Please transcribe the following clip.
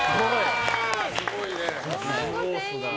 すごいね。